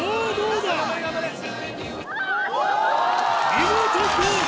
見事ゴール！